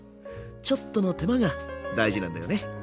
ちょっとの手間が大事なんだよね。